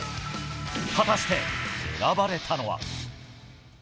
果たして、選ばれたのは。